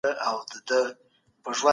ټولنه بايد د لوستلو فرهنګ تقويه کړي.